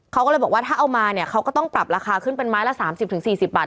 เขาก็เลยบอกว่าถ้าเอามาเนี่ยเขาก็ต้องปรับราคาขึ้นเป็นไม้ละ๓๐๔๐บาท